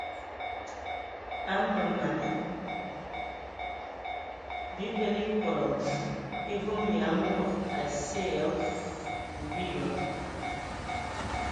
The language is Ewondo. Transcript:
Aməmama bibələ ekodog e nə evom ya mod asye ya abui biyɔŋ.